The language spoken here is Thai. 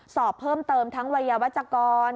สอบเพิ่มเติมทั้งวัยวจกร